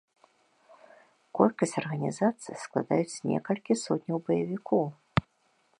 Колькасць арганізацыі складаюць некалькі сотняў баевікоў.